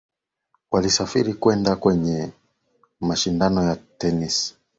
walisafiri kwenda kwenye mashindano ya tenisi